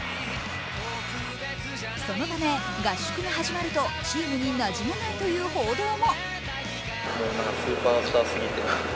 そのため合宿が始まるとチームになじめないという報道も。